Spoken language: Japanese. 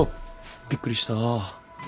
びっくりした！